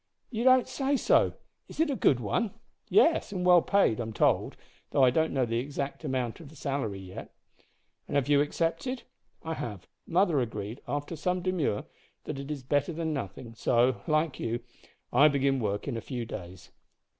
"You don't say so! Is it a good one?" "Yes, and well paid, I'm told, though I don't know the exact amount of the salary yet." "And have you accepted?" "I have. Mother agreed, after some demur, that it is better than nothing, so, like you, I begin work in a few days."